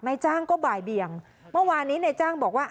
นายจ้างก็บ่ายเบียงเมื่อวานนี้นายจ้างบอกว่า